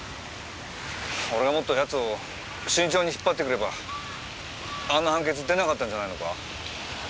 俺がもっと奴を慎重に引っ張ってくればあんな判決出なかったんじゃないのか？